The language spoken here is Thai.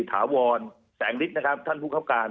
ถาวรแสงฤทธินะครับท่านผู้คับการ